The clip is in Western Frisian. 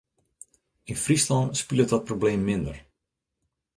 Yn Fryslân spilet dat probleem minder.